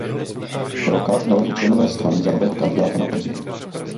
Roca navrhli členové strany za nového kandidáta na prezidenta.